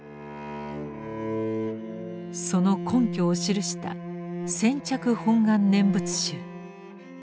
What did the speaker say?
その根拠を記した「選択本願念仏集」。